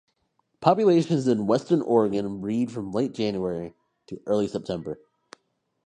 Populations in western Oregon breed from late January to early September.